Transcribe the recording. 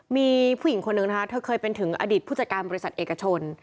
มีผู้หญิงคนนึงนะคะเธอเคยเป็นถึงอดีตผู้จัดการบริษัทเอกชน